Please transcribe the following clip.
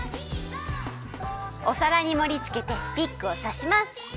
おさらにもりつけてピックをさします。